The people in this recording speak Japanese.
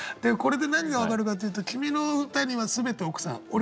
これで何が分かるかっていうと君の歌にはすべて奥さん。